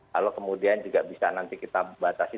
lalu kemudian juga bisa nanti kita batasi